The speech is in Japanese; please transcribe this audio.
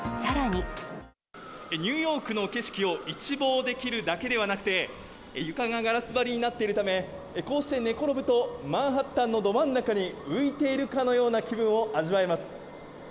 ニューヨークの景色を一望できるだけではなくて、床がガラス張りになっているため、こうして寝転ぶと、マンハッタンのど真ん中に浮いているかのような気分を味わえます。